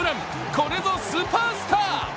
これぞスーパースター。